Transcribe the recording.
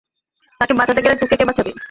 তাকে বাঁচাতে গেলে তোকে কে বাঁচাবে?